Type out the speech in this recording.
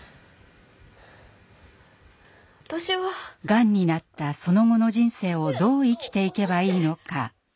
がんになったその後の人生をどう生きていけばいいのか。